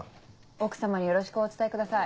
奥様によろしくお伝えください。